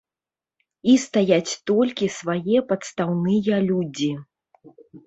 І стаяць толькі свае падстаўныя людзі.